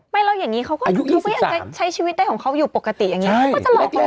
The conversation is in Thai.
ไม่แล้วอย่างงี้เขาไม่ยังได้ใช้ชีวิตได้ของเขาอยู่ปกติอย่างเงี้ย